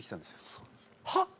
そうです。はっ？